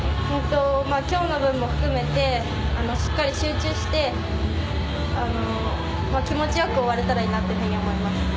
今日の分も含めてしっかり集中して気持ちよく終われたらいいなというふうに思います。